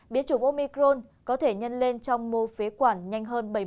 biến chủng omicron có thể nhanh lên trong mô phía quản nhanh hơn